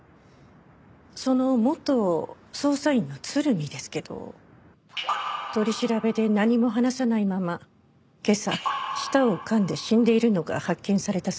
その元捜査員の鶴見ですけど取り調べで何も話さないまま今朝舌をかんで死んでいるのが発見されたそうですよ。